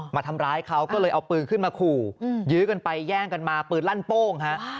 มาทำร้ายเขาก็เลยเอาปืนขึ้นมาขู่ยื้อกันไปแย่งกันมาปืนลั่นโป้งฮะ